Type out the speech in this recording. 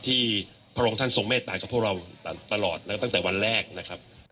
พระองค์ท่านทรงเมตตากับพวกเราตลอดนะครับตั้งแต่วันแรกนะครับ